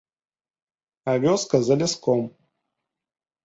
А вёска за ляском.